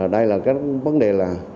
đây là cái vấn đề là